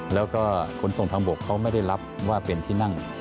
แล้วก็ขนส่งทางบกเขาไม่ได้รับว่าเป็นที่นั่ง